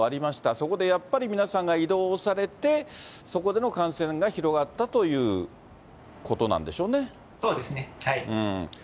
そこでやっぱり皆さんが移動されて、そこでの感染が広がったということなんでしょうね。